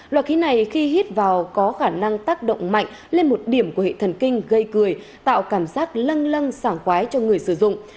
loại khí này khi hít vào có khả năng tác động mạnh lên một điểm của hệ thần kinh gây cười tạo cảm giác lăng lăng sảng khoái cho người sử dụng